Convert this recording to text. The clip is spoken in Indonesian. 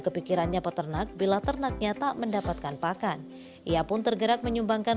kepikirannya peternak bila ternaknya tak mendapatkan pakan ia pun tergerak menyumbangkan